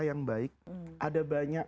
yang baik ada banyak